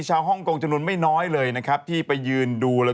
แล้วก็เลยมายืนดูกัน